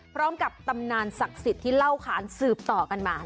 ตำนานศักดิ์สิทธิ์ที่เล่าขานสืบต่อกันมา